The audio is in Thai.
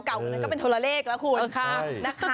เก่าเป็นโทรระเลขละคุณค่ะ